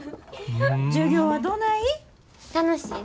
授業はどない？